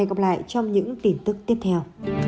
xin chào và hẹn gặp lại trong những tin tức tiếp theo